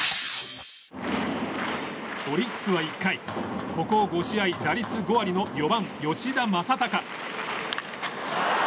オリックスは１回ここ５試合打率５割の４番、吉田正尚。